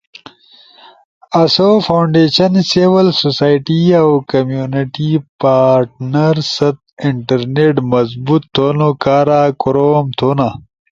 آسو فاونڈیشن، سیول سوسائٹی اؤ کمیونٹی پارٹنر ست انٹرنیٹ مضبوط تھونو کارا کوروم تھونا،